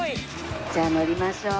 じゃあ乗りましょう。